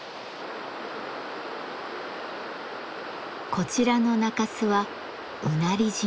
こちらの中州はうなり島。